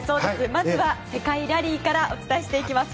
まず世界ラリーからお伝えします。